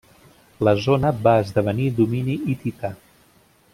La zona va esdevenir domini hitita.